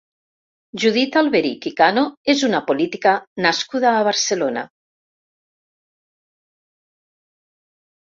Judith Alberich i Cano és una política nascuda a Barcelona.